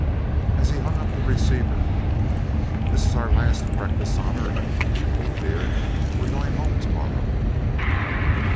As he hung up the receiver, "This is our last breakfast on earth, Old Dear we're going home to morrow."